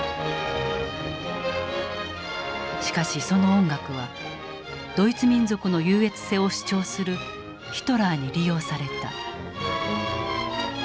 しかしその音楽はドイツ民族の優越性を主張するヒトラーに利用された。